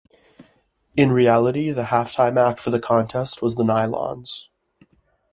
In reality, the halftime act for the contest was The Nylons.